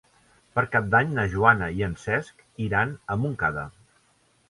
Per Cap d'Any na Joana i en Cesc iran a Montcada.